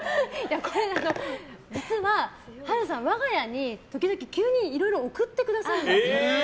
これ、実ははるさん我が家に時々急にいろいろ贈ってくださるんです。